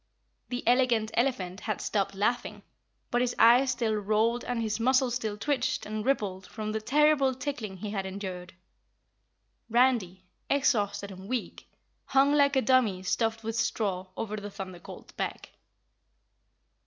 The Elegant Elephant had stopped laughing, but his eyes still rolled and his muscles still twitched and rippled from the terrible tickling he had endured. Randy, exhausted and weak, hung like a dummy stuffed with straw over the Thunder Colt's back.